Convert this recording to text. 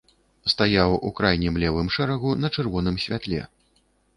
Стаяў у крайнім левым шэрагу на чырвоным святле.